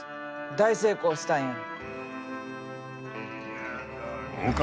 大成功したんや。